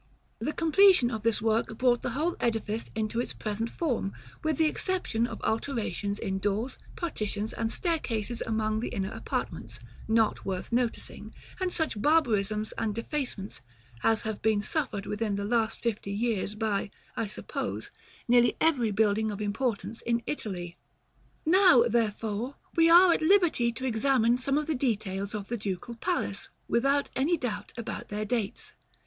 The completion of this work brought the whole edifice into its present form; with the exception of alterations in doors, partitions, and staircases among the inner apartments, not worth noticing, and such barbarisms and defacements as have been suffered within the last fifty years, by, I suppose, nearly every building of importance in Italy. § XXX. Now, therefore, we are liberty to examine some of the details of the Ducal Palace, without any doubt about their dates.